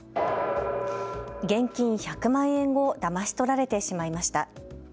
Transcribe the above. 現金１００万円をだまし取られてしまいました。